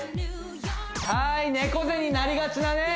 はーい猫背になりがちなね